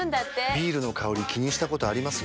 ビールの香り気にしたことあります？